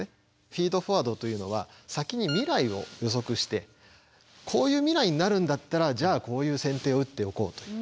フィードフォワードというのは先に未来を予測してこういう未来になるんだったらじゃあこういう先手を打っておこうという。